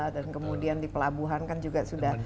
dan kemudian di pelabuhan kan juga sudah